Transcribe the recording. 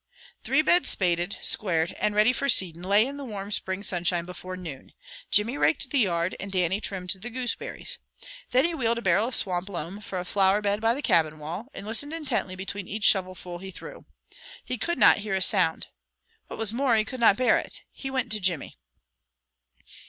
Three beds spaded, squared, and ready for seeding lay in the warm spring sunshine before noon. Jimmy raked the yard, and Dannie trimmed the gooseberries. Then he wheeled a barrel of swamp loam for a flower bed by the cabin wall, and listened intently between each shovelful he threw. He could not hear a sound. What was more, he could not bear it. He went to Jimmy.